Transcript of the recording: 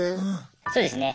そうですね。